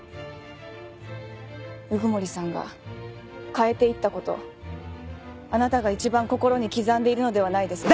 鵜久森さんが変えていったことあなたが一番心に刻んでいるのではないですか？